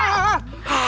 pedes hah hah hah